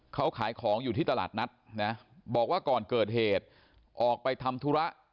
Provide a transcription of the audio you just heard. เขาขายของอยู่ที่ตลาดนัดนะบอกว่าก่อนเกิดเหตุออกไปทำธุระ